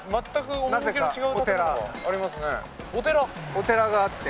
お寺があって。